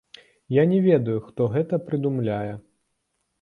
Я не ведаю, хто гэта прыдумляе.